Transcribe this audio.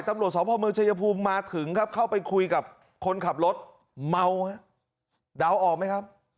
ตำรวจสอบพ่อเมืองชายภูมิมาถึงครับเข้าไปคุยกับคนขับรถเมาฮะเดาออกไหมครับ